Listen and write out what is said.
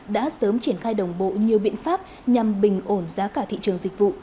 đã sớm triển khai đồng bộ nhiều biện pháp nhằm bình ổn giá cả thị trường dịch vụ